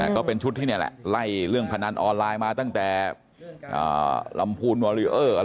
ก็เป็นชุดที่ไล่เรื่องพนันออนไลน์มาตั้งแต่ลำภูลวอล